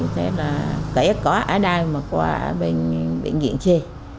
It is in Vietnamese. thế là kể có ở đây mà qua bên biện viện chơi